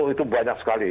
itu banyak sekali